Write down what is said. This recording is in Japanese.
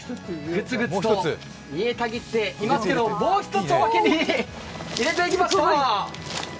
ぐつぐつと煮えたぎっていますけど、もう一つ、おまけに入れてきました！